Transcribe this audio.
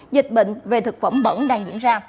dịch bệnh về thực phẩm bẩn đang diễn ra